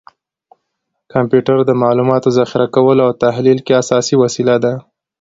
کمپیوټر د معلوماتو ذخیره کولو او تحلیل کې اساسي وسیله ده.